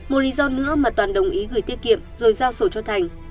một lý do nữa mà toàn đồng ý gửi tiết kiệm rồi giao sổ cho thành